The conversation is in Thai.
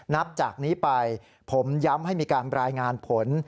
นับจากนี้ไปผมย้ำให้มีการรายงานผล